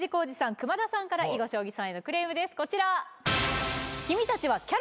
くまださんから囲碁将棋さんへのクレームですこちら。